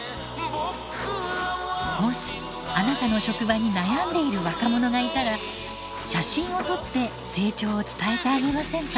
もしあなたの職場に悩んでいる若者がいたら写真を撮って成長を伝えてあげませんか？